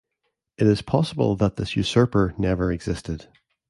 It is possible that this usurper never existed.